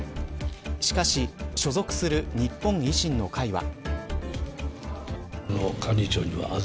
しかし所属する日本維新の会は。